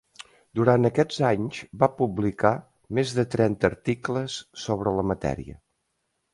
Durant aquests anys va publicar més de trenta articles sobre la matèria.